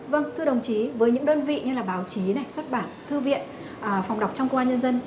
vâng thưa đồng chí với những đơn vị như là báo chí này xuất bản thư viện phòng đọc trong công an nhân dân